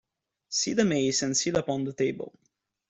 See the mace and seal upon the table.